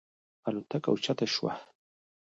الوتکه اوچته شوه.